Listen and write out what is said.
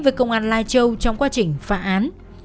với công an lai châu trong quá trình phá án